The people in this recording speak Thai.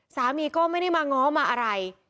สามีก็ไม่ได้มาง้อมาอะไร